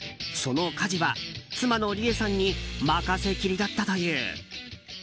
その家事は妻の莉瑛さんに任せきりだったという。